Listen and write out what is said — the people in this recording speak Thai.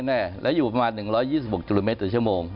เกิน๑๐๐แน่และอยู่ประมาณ๑๒๖กิโลเมตรตัวชั่วโมง